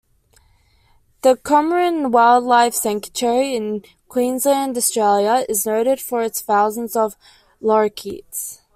The Currumbin Wildlife Sanctuary in Queensland, Australia, is noted for its thousands of lorikeets.